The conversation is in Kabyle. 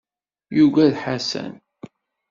Yugad Ḥasan.